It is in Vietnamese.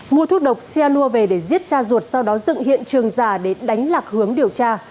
mua thuốc độc cyanur về để giết cha ruột sau đó dựng hiện trường giả để đánh lạc hướng điều tra